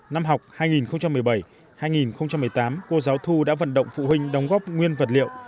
năm học hai nghìn một mươi bảy hai nghìn một mươi tám cô giáo thu đã vận động phụ huynh đóng góp nguyên vật liệu